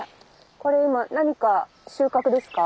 これ今何か収獲ですか？